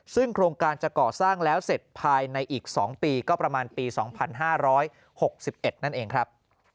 ซึ่งโครงการจะก่อสร้างแล้วเสร็จภายในอีก๒ปีก็ประมาณปี๒๕๖๑นั่นเองครับ